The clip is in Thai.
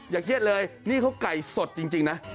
เครียดเลยนี่เขาไก่สดจริงนะ